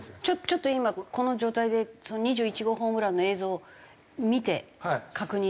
ちょっと今この状態でその２１号ホームランの映像を見て確認したいと思います。